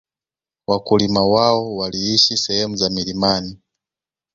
Wakulima wao waliishi sehemu za milimani